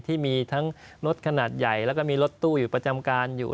ที่มีทั้งรถขนาดใหญ่แล้วก็มีรถตู้อยู่ประจำการอยู่